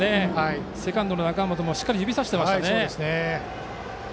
セカンドの中本もしっかり指を差していました。